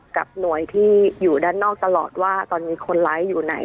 กับหน่วยที่อยู่ด้านนอกตลอดว่าตอนนี้คนร้ายอยู่ไหน